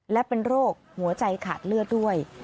และเป็นโรคหัวใจขาดเลือดด้วย